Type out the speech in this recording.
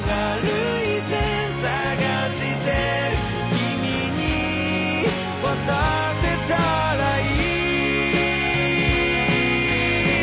「君に渡せたらいい」